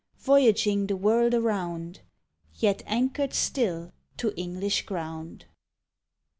Voyaging the world around Yet anchored still to English ground.